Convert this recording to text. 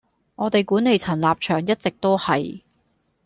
我哋管理層立場一直都係